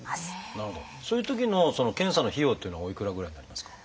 そういうときの検査の費用っていうのはおいくらぐらいになりますか？